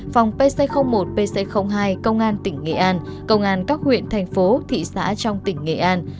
phòng pc một pc hai công an tỉnh nghệ an công an các huyện thành phố thị xã trong tỉnh nghệ an